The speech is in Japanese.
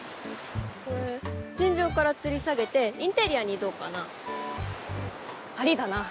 これ天井から吊り下げてインテリアにどうかな？ありだな。